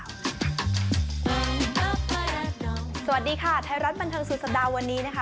สวัสดีค่ะไทยรัฐบันเทิงสุดสัปดาห์วันนี้นะคะ